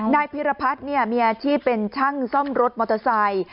นายพิรพัฒน์มีอาชีพเป็นช่างซ่อมรถมอเตอร์ไซค์